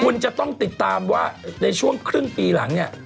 คุณจะต้องติดตามว่าในช่วงครึ่งปีหลังเนี่ย